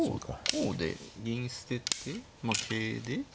こうで銀捨ててまあ桂で。